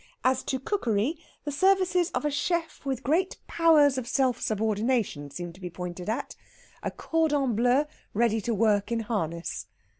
As to cookery, the services of a chef with great powers of self subordination seemed to be pointed at, a cordon bleu ready to work in harness.